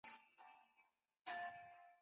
立法院围墙